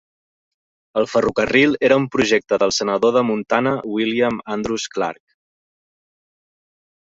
El ferrocarril era un projecte del senador de Montana William Andrews Clark.